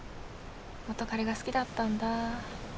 元彼が好きだったんだ。